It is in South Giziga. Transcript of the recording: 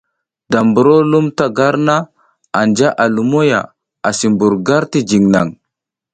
Da mburo lum ta gar na anja a lumo ya, asi mbur gar ti jiŋ naŋ.